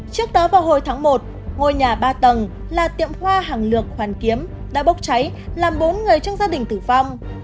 trước đó vào hồi tháng một ngôi nhà ba tầng là tiệm hoa hàng lược hoàn kiếm đã bốc cháy làm bốn người trong gia đình tử vong